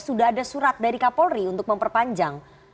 sudah ada surat dari kapolri untuk memperpanjang